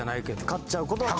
買っちゃうことは。